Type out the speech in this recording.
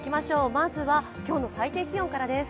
まずは今日の最低気温からです。